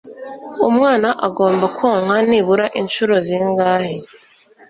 umwana agomba konka nibura incuro zingahe